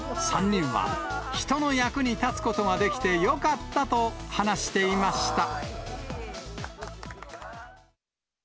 ３人は人の役に立つことができてよかったと話していました。